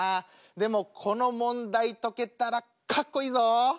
でもこの問題解けたらかっこいいぞ！